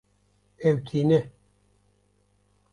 Ew tîne.